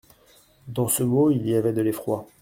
Dans ce mot, il y avait de l'effroi.